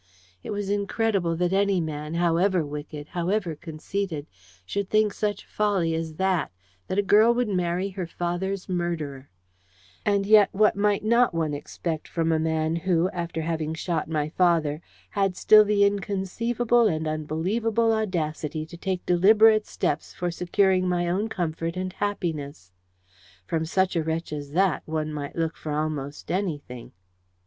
It was incredible that any man, however wicked, however conceited, should think such folly as that that a girl would marry her father's murderer; and yet what might not one expect from a man who, after having shot my father, had still the inconceivable and unbelievable audacity to take deliberate steps for securing my own comfort and happiness? From such a wretch as that, one might look for almost anything!